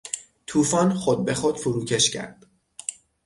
توفان خود بخود فروکش کرد.